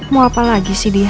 mau apa lagi sih dia